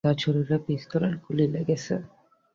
তাঁর শরীরে পিস্তলের গুলি লেগেছে।